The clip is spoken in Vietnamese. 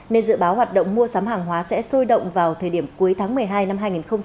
nên dự báo hoạt động mua sắm hàng hóa sẽ sôi động vào thời điểm cuối tháng một mươi hai năm hai nghìn hai mươi